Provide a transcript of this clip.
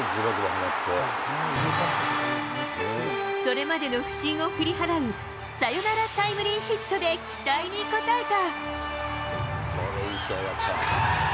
それまでの不振を振り払う、サヨナラタイムリーヒットで期待に応えた。